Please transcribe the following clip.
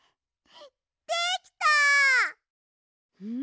できた！